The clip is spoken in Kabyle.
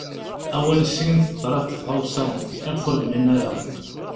Awal sin teḍṛa-d tɣawsa i ɣef ur bnin ara.